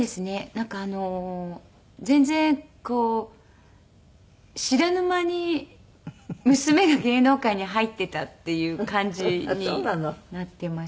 なんか全然こう知らぬ間に娘が芸能界に入っていたっていう感じになっていました。